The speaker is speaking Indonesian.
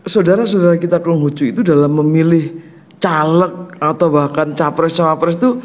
saudara saudara kita konghucu itu dalam memilih caleg atau bahkan capres capres itu